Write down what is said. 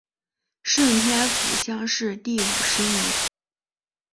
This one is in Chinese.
顺天府乡试第五十名。